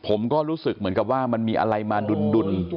ผมก็รู้สึกเหมือนกับว่ามันมีอะไรมาดุล